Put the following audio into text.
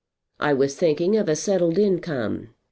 "I was thinking of a settled income."